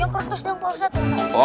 yang kertas dong pak ustadz